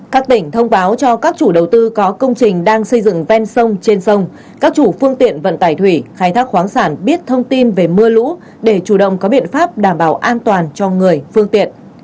các tỉnh thông báo cho các chủ đầu tư có công trình đang xây dựng ven sông trên sông các chủ phương tiện vận tải thủy khai thác khoáng sản biết thông tin về mưa lũ để chủ động có biện pháp đảm bảo an toàn cho người phương tiện